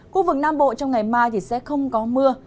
khu vực nam bộ trong ngày mai sẽ không có mưa